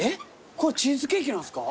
これチーズケーキなんすか？